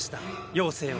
妖精を。